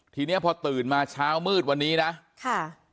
ทีนี้พอตื่นมาเช้ามืดวันนี้นะค่ะ